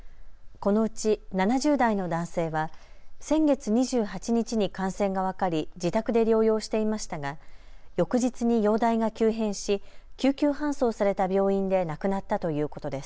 このうち７０代の男性は先月２８日に感染が分かり自宅で療養していましたが翌日に容体が急変し救急搬送された病院で亡くなったということです。